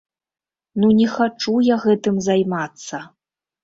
Ну не хачу я гэтым займацца.